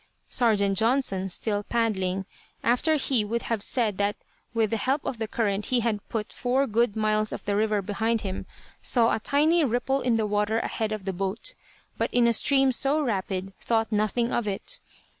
Sergeant Johnson, still paddling, after he would have said that with the help of the current he had put four good miles of the river behind him, saw a tiny ripple in the water ahead of the boat, but in a stream so rapid thought nothing of it.